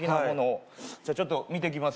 はいじゃあちょっと見てきます